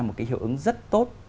một cái hiệu ứng rất tốt